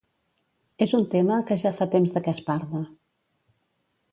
És un tema que ja fa temps de què es parla.